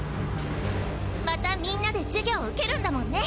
またみんなで授業受けるんだもんね！